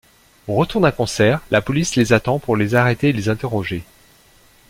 Au retour d'un concert, la police les attend pour les arrêter et les interroger.